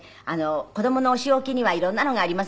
子供のお仕置きには色んなのがあります。